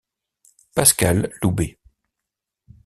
Pascal Loubet.